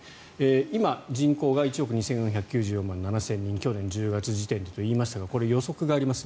今、人口が１億２４９４万７０００人去年１０月時点だと言いましたがこれ、予測があります。